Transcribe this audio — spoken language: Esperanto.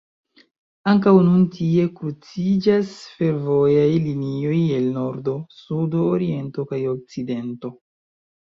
Ankaŭ nun tie kruciĝas fervojaj linioj el nordo, sudo, oriento kaj okcidento.